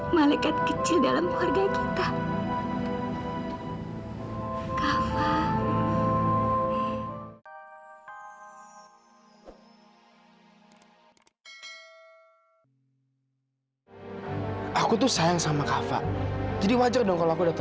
malekat kecil dalam keluarga kita